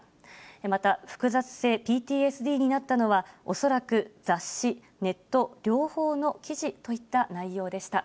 また、複雑性ＰＴＳＤになったのは、恐らく雑誌、ネット両方の記事といった内容でした。